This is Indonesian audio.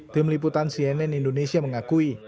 tim liputan cnn indonesia mengakui